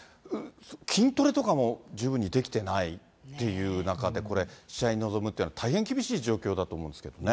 筋トレとかも十分にできてないっていう中で、これ、試合に臨むってのは、大変厳しい状況だと思うんですけれどもね。